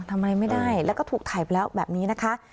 ทำอะไรไม่ได้แล้วก็ถูกถ่ายไปแล้วแบบนี้นะคะ